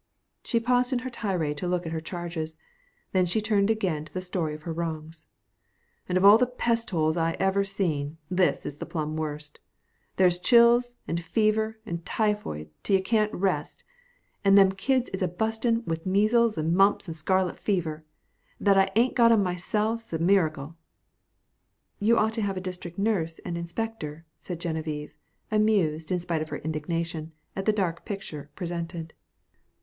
She paused in her tirade to yell at her charges. Then she turned again to the story of her wrongs. "And of all the pest holes I ever seen, this is the plum worst. There's chills an' fever an' typhoid till you can't rest, an' them kids is abustin' with measles an' mumps an' scarlet fever. That I ain't got 'em all myself's a miracle." "You ought to have a district nurse and inspector/' said Geneviève, amused, in spite of her indignation, at the dark picture presented.